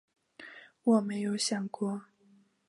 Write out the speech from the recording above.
我没有想过